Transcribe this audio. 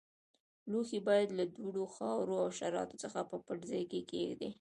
لوښي باید له دوړو، خاورو او حشراتو څخه په پټ ځای کې کېږدئ.